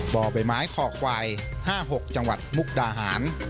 บ่อใบไม้คอควาย๕๖จังหวัดมุกดาหาร